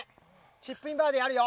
チップインバーディーあるよ。